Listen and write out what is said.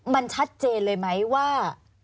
มันชัดเจนเลยไหมว่า